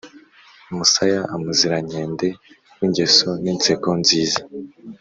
Musaya Umuzirankende w’ingeso n’inseko nziza